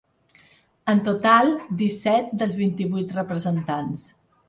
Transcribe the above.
En total, disset dels vint-i-vuit representants.